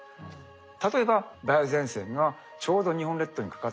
例えば梅雨前線がちょうど日本列島にかかっている。